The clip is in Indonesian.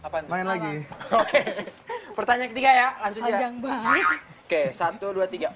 pertanyaan ketiga ya langsung aja